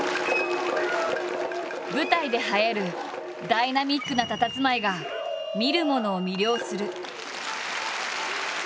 舞台で映えるダイナミックなたたずまいが見る者を魅了する。